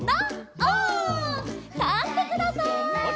オ！たってください！